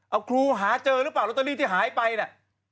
เอาครูหาเจอรุป่าไลต์โรตเตอรี่ที่หายไปน่ะ